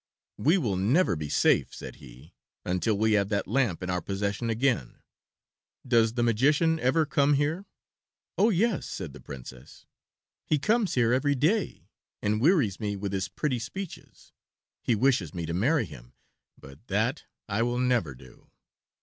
"We will never be safe," said he, "until we have that lamp in our possession again. Does the magician ever come here?" "Oh, yes," said the Princess; "he comes here every day and wearies me with his pretty speeches. He wishes me to marry him, but that I will never do."